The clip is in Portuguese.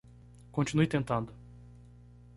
Continue tentando.